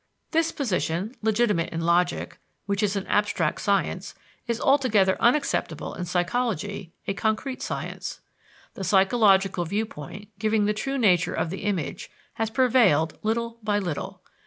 This position, legitimate in logic, which is an abstract science, is altogether unacceptable in psychology, a concrete science. The psychological viewpoint giving the true nature of the image has prevailed little by little.